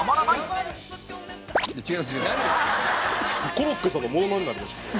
コロッケさんのモノマネになりました。